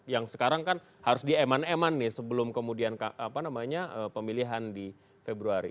yang sekarang kan harus dieman eman nih sebelum kemudian pemilihan di februari